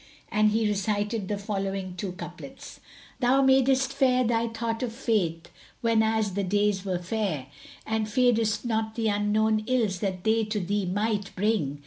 And he recited the following two couplets,[FN#171] "Thou madest fair thy thought of Fate, whenas the days were fair, And fearedst not the unknown ills that they to thee might bring.